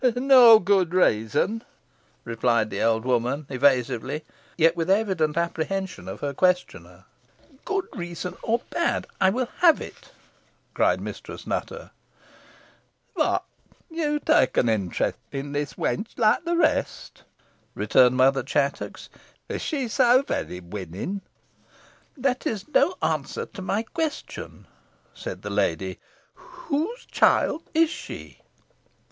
"No good reason," replied the old woman evasively, yet with evident apprehension of her questioner. "Good reason or bad, I will have it," cried Mistress Nutter. "What you, too, take an interest in the wench, like the rest!" returned Mother Chattox. "Is she so very winning?" "That is no answer to my question," said the lady. "Whose child is she?"